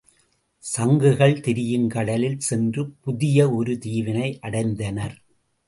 சங்குகள் திரியும் கடலில் சென்று புதிய ஒரு தீவினை அடைந்தனர்.